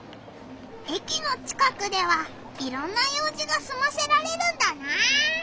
駅の近くではいろんな用じがすませられるんだな。